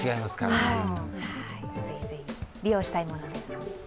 ぜひぜひ利用したいものです。